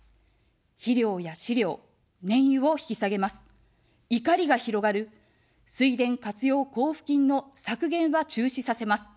肥料や飼料、燃油を引き下げます、怒りが広がる水田活用交付金の削減は中止させます。